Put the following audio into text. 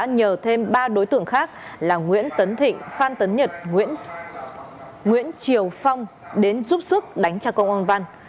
nhờ thêm ba đối tượng khác là nguyễn tấn thịnh phan tấn nhật nguyễn triều phong đến giúp sức đánh cha con ông văn